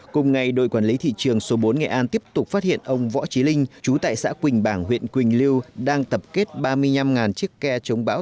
cùng ngày đội quản lý thị trường số bốn nghệ an tiếp tục phát hiện ông võ trí linh chú tại xã quỳnh bảng huyện quỳnh lưu đang tập kết ba mươi năm chiếc ke chống bão